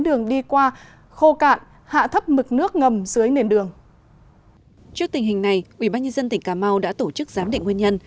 đường đi qua khô cạn hạ thấp mực nước ngầm dưới nền đường trước tình hình này ubnd tỉnh cà mau đã tổ chức giám định nguyên nhân